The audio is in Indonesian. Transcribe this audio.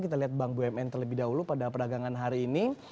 kita lihat bank bumn terlebih dahulu pada perdagangan hari ini